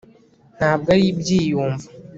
ntabwo ari ibyiyumvo